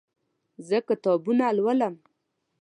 زه کتابونه لولم